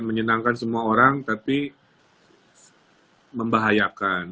menyenangkan semua orang tapi membahayakan